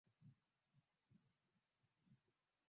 zuiwe wananchi ambao ndio waliowafanya wanyama hao kuwepo wasipate